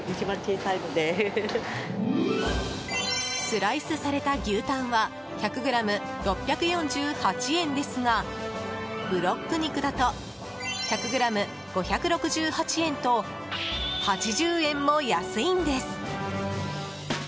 スライスされた牛タンは１００ｇ６４８円ですがブロック肉だと１００ｇ５６８円と８０円も安いんです。